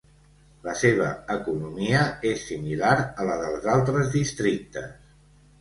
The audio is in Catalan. La seva economia és similar a la dels altres districtes.